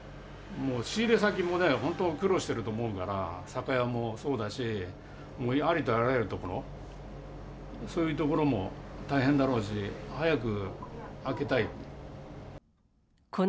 もう仕入れ先もね、本当、苦労していると思うから、酒屋もそうだし、ありとあらゆるところ、そういうところも大変だろうし、早く開けたいよね。